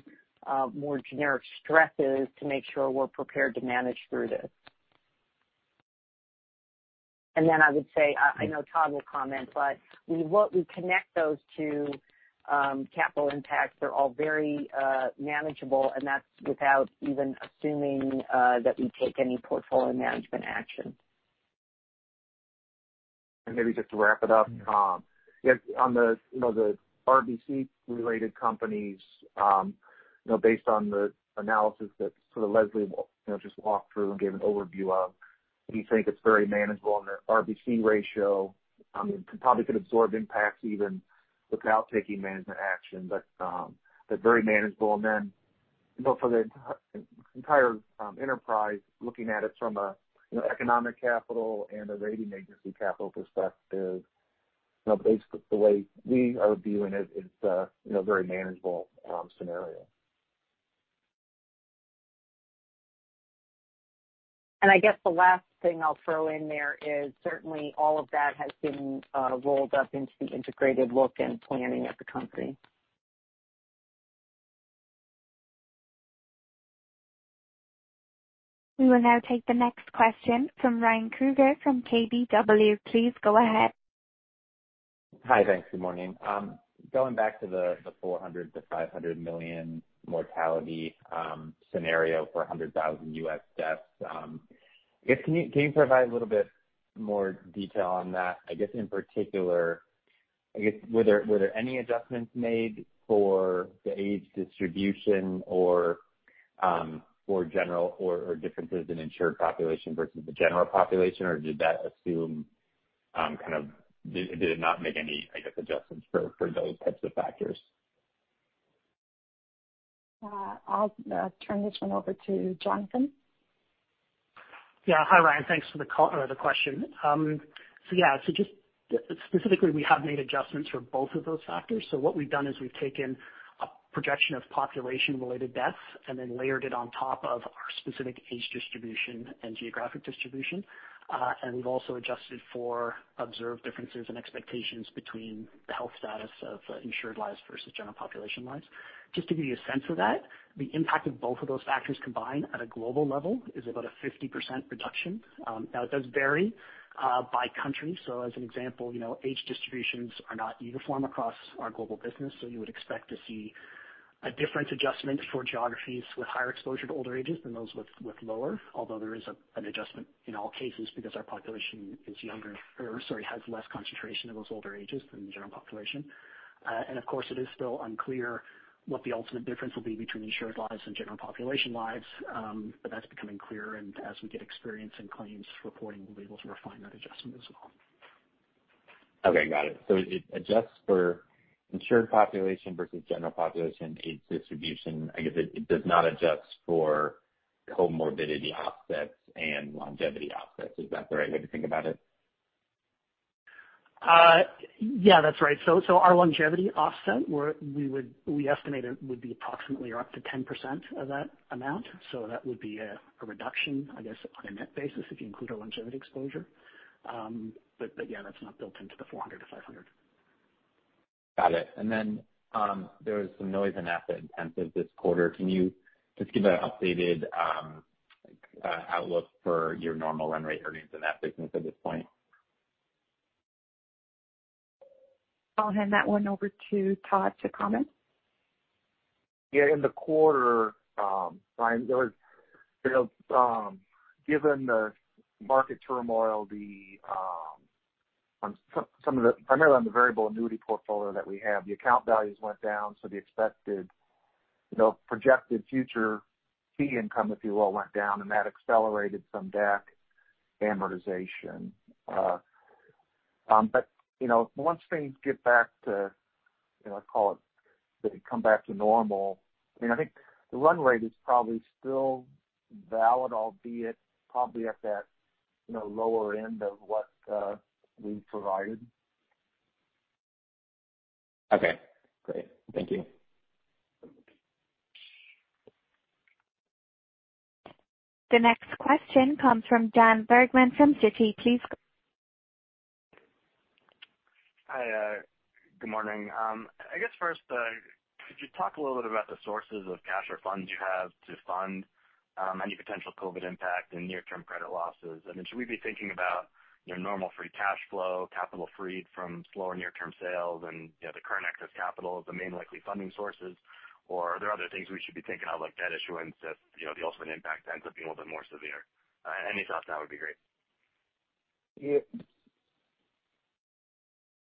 more generic stresses to make sure we're prepared to manage through this. I would say, I know Todd will comment, but what we connect those to capital impacts are all very manageable, and that's without even assuming that we take any portfolio management action.
Maybe just to wrap it up. On the RBC related companies, based on the analysis that sort of Leslie just walked through and gave an overview of, we think it's very manageable on the RBC ratio. Probably could absorb impacts even without taking management action, but very manageable. For the entire enterprise, looking at it from an economic capital and a rating agency capital perspective, basically the way we are viewing it is a very manageable scenario.
I guess the last thing I'll throw in there is certainly all of that has been rolled up into the integrated look and planning of the company.
We will now take the next question from Ryan Krueger from KBW. Please go ahead.
Hi. Thanks. Good morning. Going back to the $400 million-$500 million mortality scenario for 100,000 U.S. deaths. Can you provide a little bit more detail on that? I guess in particular, were there any adjustments made for the age distribution or differences in insured population versus the general population, or did it not make any, I guess, adjustments for those types of factors?
I'll turn this one over to Jonathan.
Yeah. Hi, Ryan. Thanks for the question. Yeah. Specifically, we have made adjustments for both of those factors. What we've done is we've taken a projection of population-related deaths and layered it on top of our specific age distribution and geographic distribution. We've also adjusted for observed differences and expectations between the health status of insured lives versus general population lives. Just to give you a sense of that, the impact of both of those factors combined at a global level is about a 50% reduction. It does vary by country. As an example, age distributions are not uniform across our global business, so you would expect to see a different adjustment for geographies with higher exposure to older ages than those with lower. Although there is an adjustment in all cases because our population has less concentration of those older ages than the general population. Of course, it is still unclear what the ultimate difference will be between insured lives and general population lives. That's becoming clearer, and as we get experience in claims reporting, we'll be able to refine that adjustment as well.
Okay, got it. It adjusts for insured population versus general population age distribution. I guess it does not adjust for comorbidity offsets and longevity offsets. Is that the right way to think about it?
Yeah, that's right. Our longevity offset, we estimate it would be approximately up to 10% of that amount. That would be a reduction, I guess, on a net basis if you include our longevity exposure. Yeah, that's not built into the $400-$500.
Got it. There was some noise in asset intensive this quarter. Can you just give an updated outlook for your normal run rate earnings in that business at this point?
I'll hand that one over to Todd to comment.
Yeah, in the quarter, Ryan, given the market turmoil, primarily on the variable annuity portfolio that we have, the account values went down, the expected projected future fee income, if you will, went down and that accelerated some DAC amortization. Once things get back to, call it come back to normal, I think the run rate is probably still valid, albeit probably at that lower end of what we provided.
Okay, great. Thank you.
The next question comes from Dan Bergman from Citi. Please go.
Hi, good morning. I guess first, could you talk a little bit about the sources of cash or funds you have to fund any potential COVID impact and near-term credit losses? Should we be thinking about your normal free cash flow, capital freed from slower near-term sales and the current excess capital as the main likely funding sources? Are there other things we should be thinking of, like debt issuance, if the ultimate impact ends up being a little bit more severe? Any thoughts on that would be great.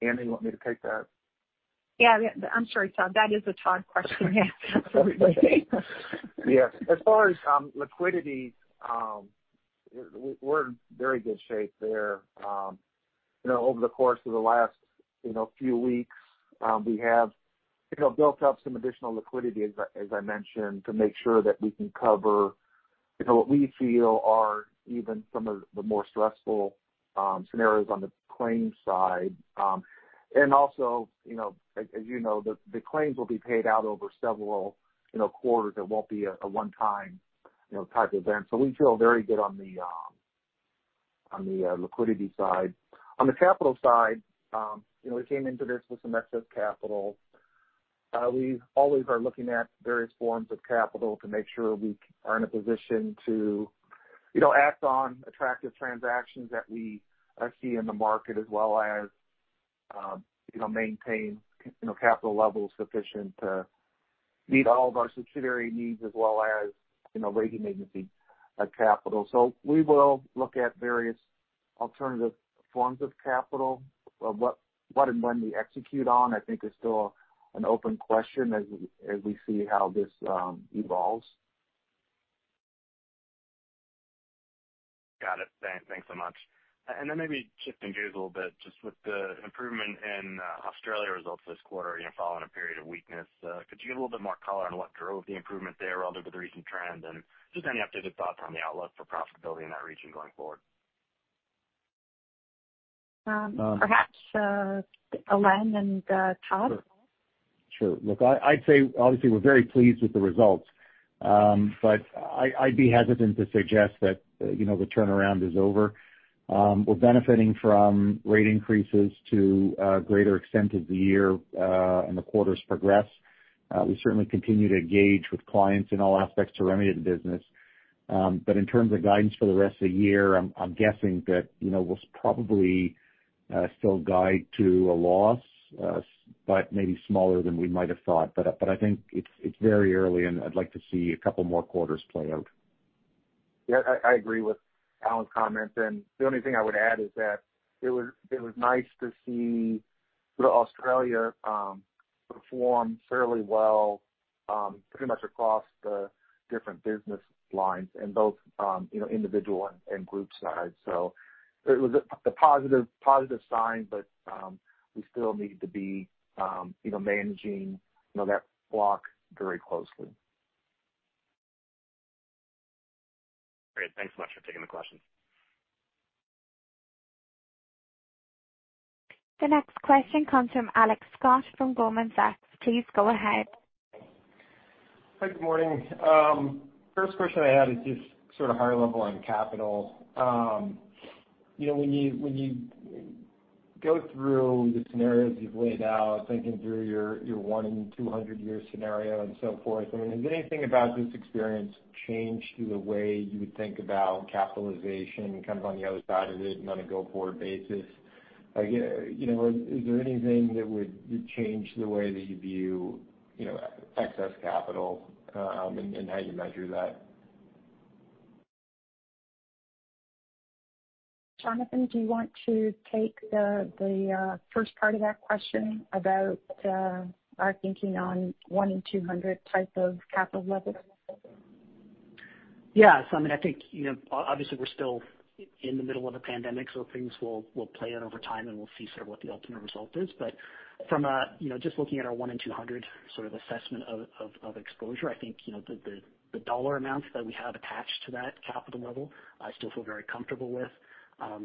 Anna, you want me to take that?
Yeah. I'm sorry, Todd. That is a Todd question. Yeah.
Yeah. As far as liquidity, we're in very good shape there. Over the course of the last few weeks, we have built up some additional liquidity, as I mentioned, to make sure that we can cover what we feel are even some of the more stressful scenarios on the claims side. Also, as you know, the claims will be paid out over several quarters. It won't be a one-time type event. We feel very good on the liquidity side. On the capital side, we came into this with some excess capital. We always are looking at various forms of capital to make sure we are in a position to act on attractive transactions that we see in the market as well as to maintain capital levels sufficient to meet all of our subsidiary needs as well as rating agency capital. We will look at various alternative forms of capital. What and when we execute on, I think is still an open question as we see how this evolves.
Got it. Thanks so much. Then maybe shifting gears a little bit, just with the improvement in Australia results this quarter following a period of weakness, could you give a little bit more color on what drove the improvement there relative to the recent trend? Just any updated thoughts on the outlook for profitability in that region going forward.
Perhaps Alain and Todd.
Sure. Look, I'd say, obviously, we're very pleased with the results. I'd be hesitant to suggest that the turnaround is over. We're benefiting from rate increases to a greater extent as the year and the quarters progress. We certainly continue to engage with clients in all aspects to remedy the business. In terms of guidance for the rest of the year, I'm guessing that we'll probably still guide to a loss, but maybe smaller than we might have thought. I think it's very early, and I'd like to see a couple more quarters play out.
Yeah, I agree with Alain's comments. The only thing I would add is that it was nice to see Australia perform fairly well pretty much across the different business lines and both individual and group sides. It was a positive sign, but we still need to be managing that block very closely.
Great. Thanks so much for taking the question.
The next question comes from Alex Scott from Goldman Sachs. Please go ahead.
Hi, good morning. First question I had is just higher level on capital. When you go through the scenarios you've laid out, thinking through your one in 200 year scenario and so forth, I mean, has anything about this experience changed the way you would think about capitalization, kind of on the other side of it and on a go-forward basis? Is there anything that would change the way that you view excess capital and how you measure that?
Jonathan, do you want to take the first part of that question about our thinking on one in 200 type of capital level?
Yes. I mean, I think, obviously, we're still in the middle of a pandemic. Things will play out over time, and we'll see what the ultimate result is. From just looking at our one in 200 assessment of exposure, I think, the dollar amounts that we have attached to that capital level, I still feel very comfortable with.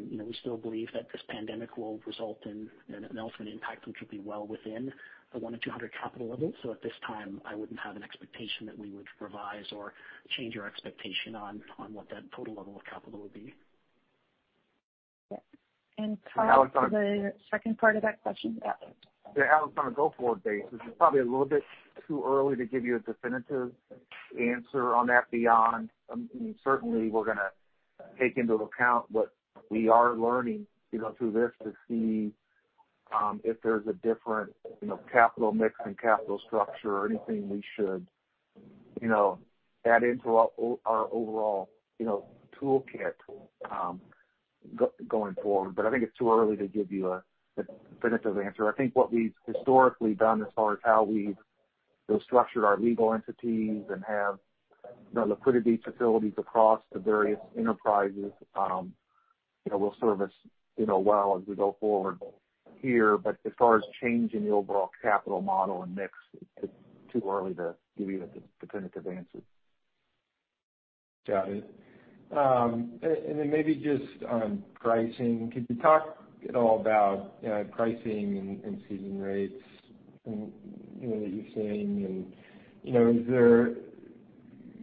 We still believe that this pandemic will result in an ultimate impact that should be well within the one in 200 capital level. At this time, I wouldn't have an expectation that we would revise or change our expectation on what that total level of capital would be.
And Todd, the second part of that question.
Yeah, Alex, on a go-forward basis, it's probably a little bit too early to give you a definitive answer on that beyond, certainly, we're going to take into account what we are learning through this to see if there's a different capital mix and capital structure or anything we should add into our overall toolkit going forward. I think it's too early to give you a definitive answer. I think what we've historically done as far as how we've structured our legal entities and have liquidity facilities across the various enterprises will serve us well as we go forward here. As far as changing the overall capital model and mix, it's too early to give you a definitive answer.
Got it. Maybe just on pricing, could you talk at all about pricing and cession rates that you're seeing, and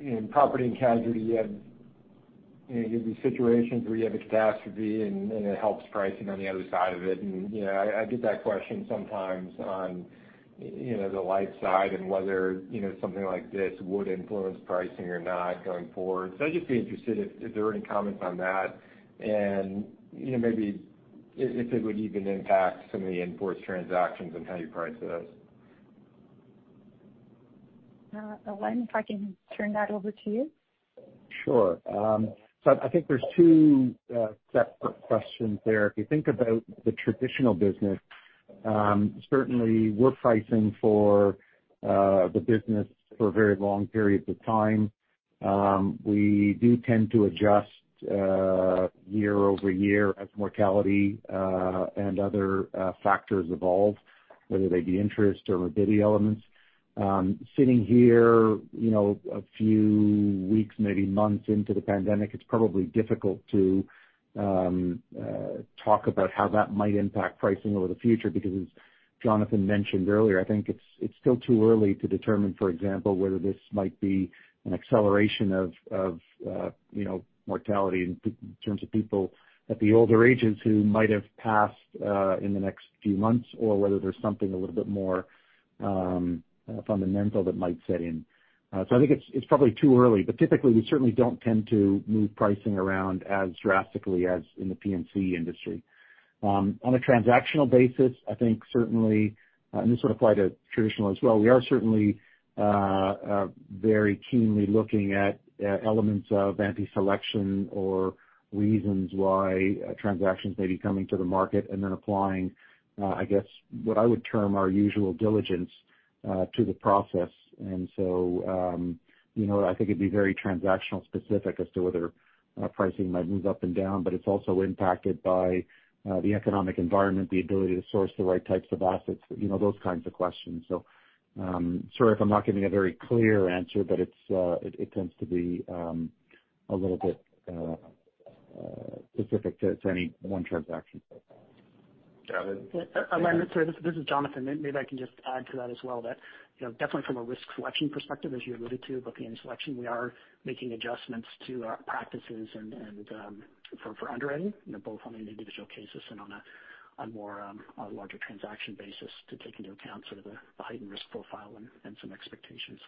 in property and casualty, you have these situations where you have a catastrophe, and it helps pricing on the other side of it. I get that question sometimes on the life side and whether something like this would influence pricing or not going forward. I'd just be interested if there were any comments on that and maybe if it would even impact some of the in-force transactions and how you price those.
Alain, if I can turn that over to you.
Sure. I think there's two separate questions there. If you think about the traditional business, certainly we're pricing for the business for very long periods of time. We do tend to adjust year-over-year as mortality and other factors evolve, whether they be interest or morbidity elements. Sitting here a few weeks, maybe months into the pandemic, it's probably difficult to talk about how that might impact pricing over the future because as Jonathan mentioned earlier, I think it's still too early to determine, for example, whether this might be an acceleration of mortality in terms of people at the older ages who might have passed in the next few months, or whether there's something a little bit more fundamental that might set in. I think it's probably too early, but typically, we certainly don't tend to move pricing around as drastically as in the P&C industry. On a transactional basis, I think certainly, and this would apply to traditional as well, we are certainly very keenly looking at elements of anti-selection or reasons why transactions may be coming to the market and then applying, I guess, what I would term our usual diligence to the process. I think it'd be very transactional specific as to whether pricing might move up and down, but it's also impacted by the economic environment, the ability to source the right types of assets, those kinds of questions. Sorry if I'm not giving a very clear answer, but it tends to be a little bit specific to any one transaction.
Got it.
Alain, sorry, this is Jonathan. Maybe I can just add to that as well that definitely from a risk selection perspective, as you alluded to with the selection, we are making adjustments to our practices and for underwriting, both on an individual basis and on a larger transaction basis to take into account sort of the heightened risk profile and some expectations.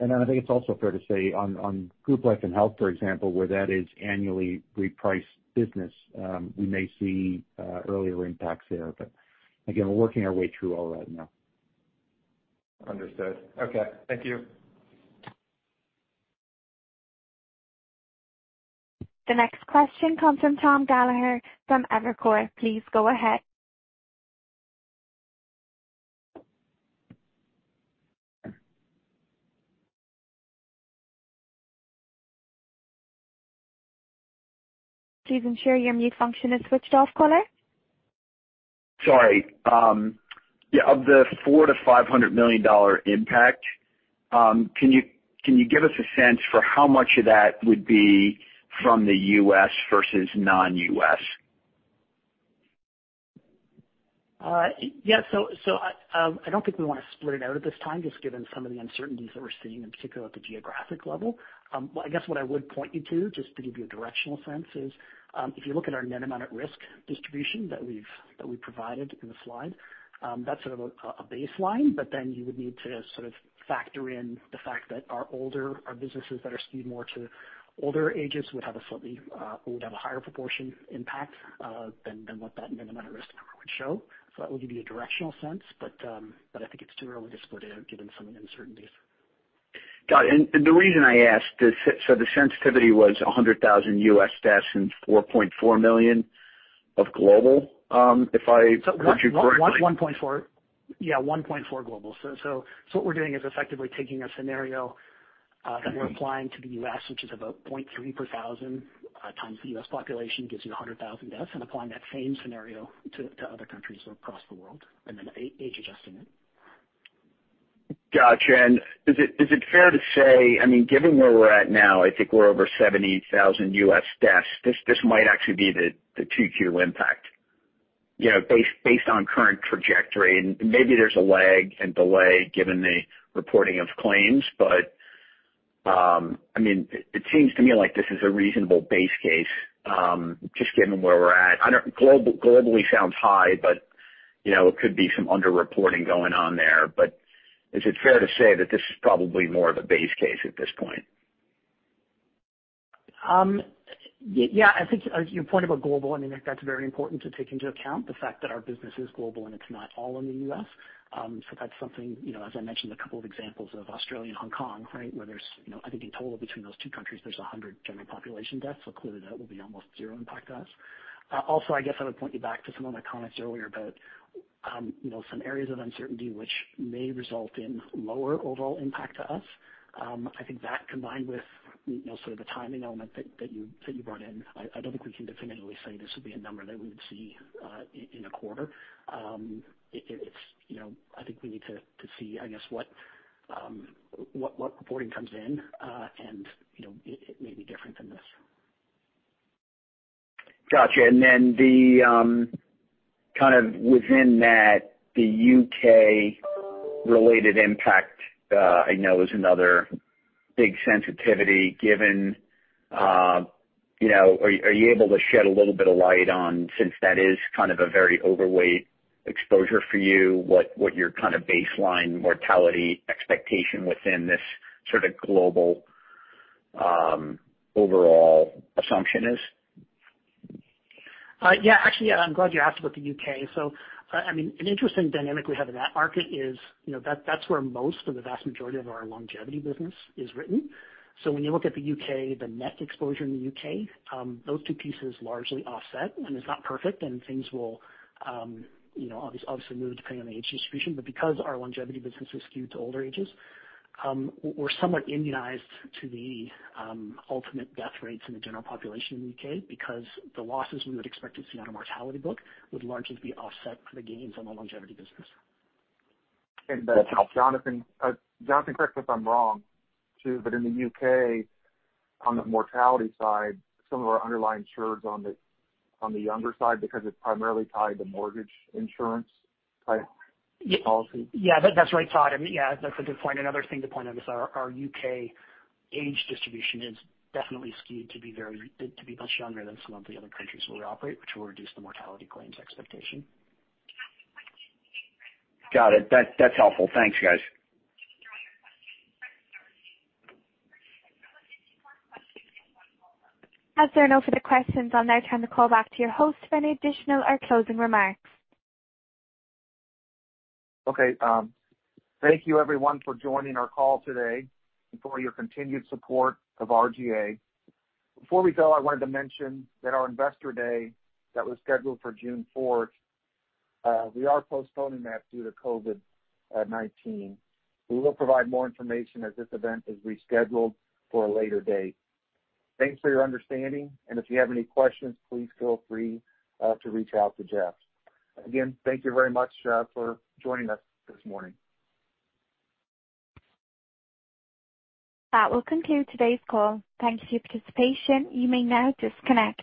I think it's also fair to say on Group Life and Health, for example, where that is annually repriced business, we may see earlier impacts there. Again, we're working our way through all that now.
Understood. Okay. Thank you.
The next question comes from Tom Gallagher from Evercore. Please go ahead. Please ensure your mute function is switched off, caller.
Sorry. Yeah, of the $400 million-$500 million impact, can you give us a sense for how much of that would be from the U.S. versus non-U.S.?
Yeah. I don't think we want to split it out at this time, just given some of the uncertainties that we're seeing, in particular at the geographic level. I guess what I would point you to, just to give you a directional sense, is if you look at our net amount at risk distribution that we provided in the slide, that's sort of a baseline, but then you would need to sort of factor in the fact that our older, our businesses that are skewed more to older ages would have a higher proportion impact than what that net amount at risk number would show. That would give you a directional sense, but I think it's too early to split it out given some of the uncertainties.
Got it. The reason I ask, so the sensitivity was 100,000 U.S. deaths and 4.4 million of global, if I heard you correctly.
Yeah, 1.4 global. What we're doing is effectively taking a scenario that we're applying to the U.S., which is about 0.3 per thousand times the U.S. population gives you 100,000 deaths, and applying that same scenario to other countries across the world, and then age adjusting it.
Got you. Is it fair to say, given where we're at now, I think we're over 70,000 U.S. deaths, this might actually be the 2Q impact based on current trajectory, and maybe there's a lag and delay given the reporting of claims? It seems to me like this is a reasonable base case, just given where we're at. Globally sounds high, but there could be some under-reporting going on there. Is it fair to say that this is probably more of a base case at this point?
I think your point about global, that's very important to take into account the fact that our business is global and it's not all in the U.S. That's something, as I mentioned, a couple of examples of Australia and Hong Kong, right? Where I think in total between those two countries, there's 100 general population deaths. Clearly that will be almost zero impact to us. I guess I would point you back to some of my comments earlier about some areas of uncertainty which may result in lower overall impact to us. I think that combined with sort of the timing element that you brought in, I don't think we can definitively say this would be a number that we would see in a quarter. I think we need to see what reporting comes in, and it may be different than this.
Got you. Kind of within that, the U.K.-related impact I know is another big sensitivity given. Are you able to shed a little bit of light on, since that is kind of a very overweight exposure for you, what your kind of baseline mortality expectation within this sort of global overall assumption is?
Yeah. Actually, I'm glad you asked about the U.K. An interesting dynamic we have in that market is that's where most of the vast majority of our longevity business is written. When you look at the U.K., the net exposure in the U.K., those two pieces largely offset, and it's not perfect, and things will obviously move depending on the age distribution. Because our longevity business is skewed to older ages, we're somewhat immunized to the ultimate death rates in the general population in the U.K. because the losses we would expect to see on a mortality book would largely be offset for the gains on the longevity business.
Jonathan, correct me if I'm wrong, too, but in the U.K., on the mortality side, some of our underlying insureds on the younger side because it's primarily tied to mortgage insurance type policy.
Yeah. That's right, Todd. Yeah, that's a good point. Another thing to point out is our U.K. age distribution is definitely skewed to be much younger than some of the other countries where we operate, which will reduce the mortality claims expectation.
Got it. That's helpful. Thanks, guys.
As there are no further questions on their turn, the call back to your host for any additional or closing remarks.
Okay. Thank you everyone for joining our call today and for your continued support of RGA. Before we go, I wanted to mention that our Investor Day that was scheduled for June fourth, we are postponing that due to COVID-19. We will provide more information as this event is rescheduled for a later date. Thanks for your understanding, and if you have any questions, please feel free to reach out to Jeff. Again, thank you very much for joining us this morning.
That will conclude today's call. Thank you for your participation. You may now disconnect.